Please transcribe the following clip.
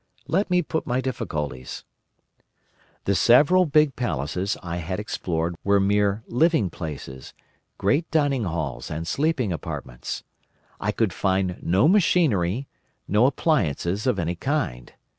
Let me put my difficulties. The several big palaces I had explored were mere living places, great dining halls and sleeping apartments. I could find no machinery, no appliances of any kind.